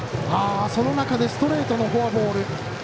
その中でストレートのフォアボール。